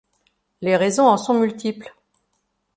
Les raisons en sont multiples.